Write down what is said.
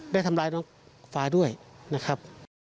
ได้ทำร้ายน้องฟ้าด้วยนะครับ